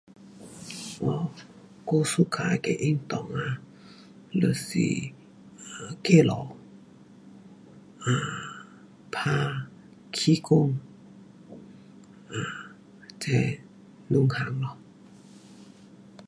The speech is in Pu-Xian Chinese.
um 我 suka 的运动啊，就是走路，um 大气功，um 这两种咯。